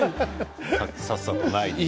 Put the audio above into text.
さっさとない。